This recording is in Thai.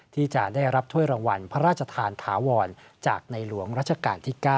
ที่จะได้รับถ้วยรางวัลพระราชทานถาวรจากในหลวงรัชกาลที่๙